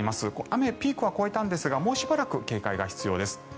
雨、ピークは越えたんですがもうしばらく警戒が必要です。